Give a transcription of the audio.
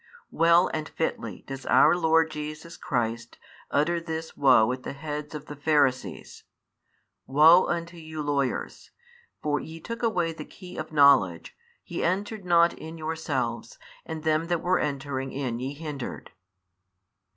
Well and fitly does our Lord Jesus the Christ utter this woe at the heads of the Pharisees: Woe unto you lawyers! for ye took away the hey of knowledge: ye entered not in yourselves, and them that were entering in ye hindered.